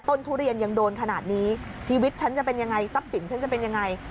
ทุเรียนยังโดนขนาดนี้ชีวิตฉันจะเป็นยังไงทรัพย์สินฉันจะเป็นยังไง